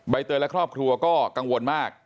เตยและครอบครัวก็กังวลมาก